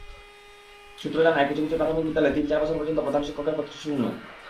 সূত্র জানায়, কিছু কিছু প্রাথমিক বিদ্যালয়ে তিন-চার বছর পর্যন্ত প্রধান শিক্ষকের পদটি শূন্য।